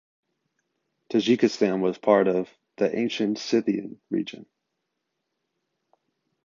Tajikistan was part of the Ancient Scythian region.